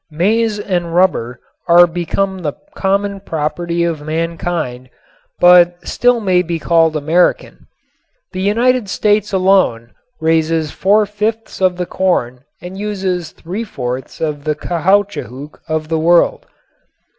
Maize and rubber are become the common property of mankind, but still may be called American. The United States alone raises four fifths of the corn and uses three fourths of the caoutchouc of the world.